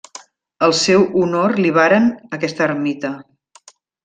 Al seu honor li varen aquesta ermita.